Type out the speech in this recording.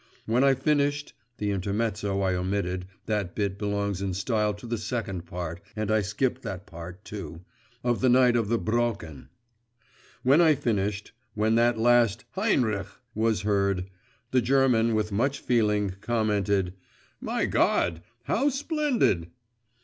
When I finished (the intermezzo I omitted: that bit belongs in style to the second part, and I skipped part, too, of the 'Night on the Brocken') … when I finished, when that last 'Heinrich!' was heard, the German with much feeling commented 'My God! how splendid!